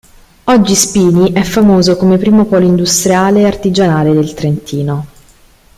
Oggi Spini è famoso come primo polo industriale e artigianale del Trentino.